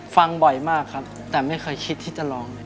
ฟังบ่อยมากครับแต่ไม่เคยคิดที่จะลองเลย